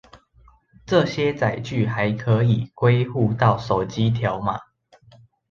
這些載具還可以歸戶到手機條碼